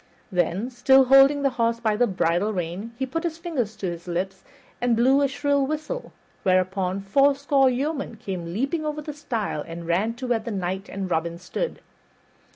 Then, still holding the horse by the bridle rein, he put his fingers to his lips and blew a shrill whistle, whereupon fourscore yeomen came leaping over the stile and ran to where the Knight and Robin stood.